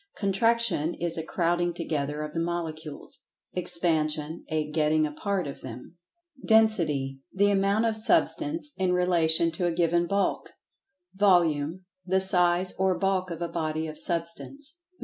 Contraction is a "crowding together" of the Molecules; Expansion a "getting apart" of them. Density: The amount of Substance in relation to a given bulk. Volume—the "size" or[Pg 83] "bulk" of a body of Substance.